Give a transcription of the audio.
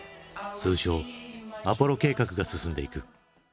通称アポロ計画が進んでいく。